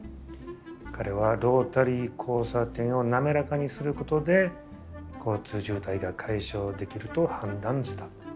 彼はロータリー交差点を滑らかにすることで交通渋滞が解消できると判断した。